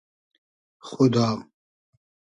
خودا